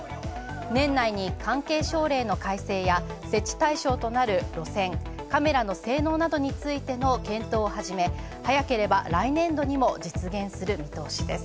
年内に関係省令の改正や設置対象となる路線カメラの性能などについての検討を始め、早ければ来年度にも実現する見通しです。